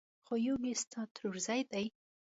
خو يو يې ستا ترورزی دی!